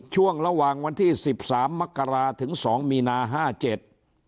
ช่วงระหว่างวันที่๑๓มกราถึง๒มีนาห้าเจ็ด